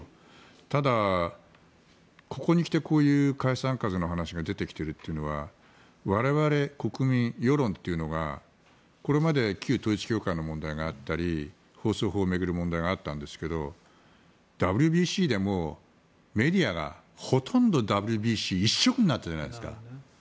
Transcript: ただここに来てこういう解散風の話が出てきているというのは我々国民、世論というのがこれまで旧統一教会の問題があったり放送法を巡る問題があったんですがＷＢＣでも、メディアがほとんどＷＢＣ一色になったじゃないですか。